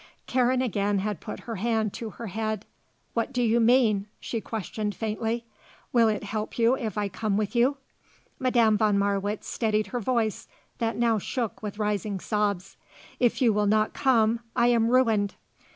Karen again had put her hand to her head. "What do you mean?" she questioned faintly. "Will it help you if I come with you?" Madame von Marwitz steadied her voice that now shook with rising sobs. "If you will not come I am ruined."